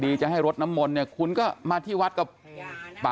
ดีจะให้รดน้ำมนคุณก็มาที่วัดกับ